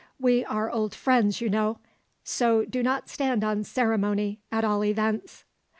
We are old friends, you know; so do not stand on ceremony, at all events."